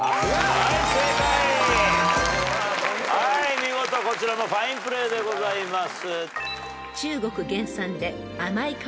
見事こちらもファインプレーでございます。